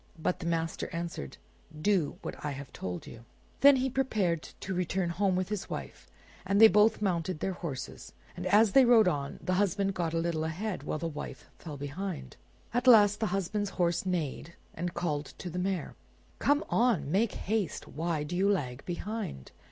But the master answered, "Do what I have told you." Then he prepared to return home with his wife, and they both mounted their horses. And as they rode on, the husband got a little ahead, while the wife fell behind. At last the husband's horse neighed, and called to the mare— "Come on! make haste! Why do you lag behind!"